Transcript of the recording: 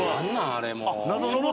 あれもう。